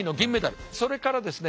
それからですね